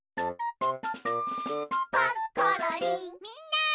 みんな！